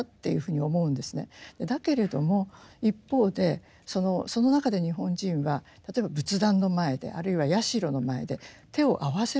だけれども一方でその中で日本人は例えば仏壇の前であるいは社の前で手を合わせるわけですよ。